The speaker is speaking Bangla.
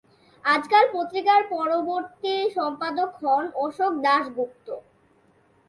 আজকাল পত্রিকার পরবর্তী সম্পাদক হন অশোক দাশগুপ্ত।